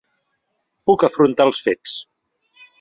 Puc afrontar els fets.